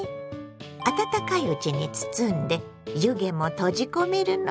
温かいうちに包んで湯気も閉じ込めるのがポイント。